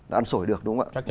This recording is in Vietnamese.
ăn sổi được đúng không ạ